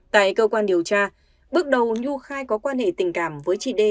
tại cơ quan điều tra bước đầu nhu khai có quan hệ tình cảm với chị đê